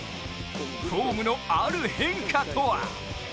フォームの、ある変化とは？